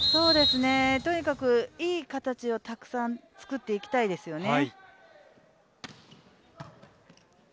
とにかくいい形をたくさん作っていきたいですよね。